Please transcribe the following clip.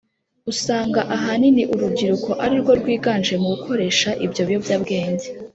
usanga ahanini urubyiruko ari rwo rwiganje mu gukoresha ibyo biyobyabwenge.